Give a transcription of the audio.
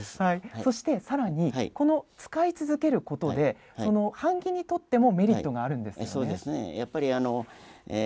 そして、さらに使い続けることで版木にとってもメリットがあるんですよね。